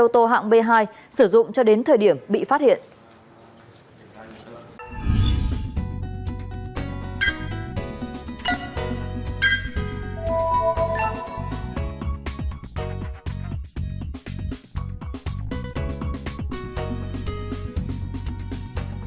ô tô hạng b hai sử dụng cho đến thời điểm bị phát hiện ừ ừ ừ ừ ừ ừ ừ ừ ừ ừ ừ ừ ừ ừ